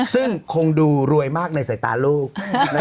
ซึ่งคงดูรวยมากในสายตาลูก